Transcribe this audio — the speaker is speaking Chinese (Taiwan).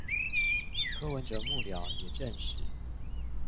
柯文哲幕僚也證實